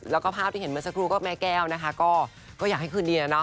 แล้วก็ภาพที่เห็นเมื่อสักครู่ก็แม่แก้วนะคะก็อยากให้คืนดีนะ